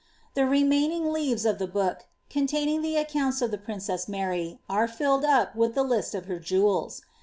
nnte remaining leaves of the book, containing the accounts of llw' priacm9 Mary, ere Glled up with the list of her jewels.